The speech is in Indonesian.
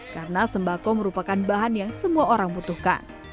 karena sembako merupakan bahan yang semua orang butuhkan